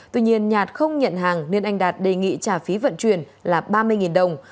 tuy nhiên nhạt không nhận hàng nên anh đạt đề nghị trả phí vận chuyển là ba mươi đồng